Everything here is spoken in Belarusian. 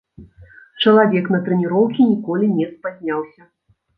Чалавек на трэніроўкі ніколі не спазняўся.